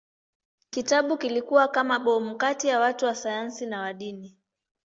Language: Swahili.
Kitabu kilikuwa kama bomu kati ya watu wa sayansi na wa dini.